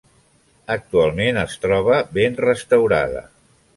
Actualment es troba ben restaurada.